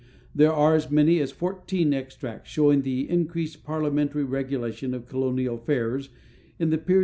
There are as many as fourteen extracts showing the increased parliamentary regulation of colonial affairs in the period 1696 to 1751.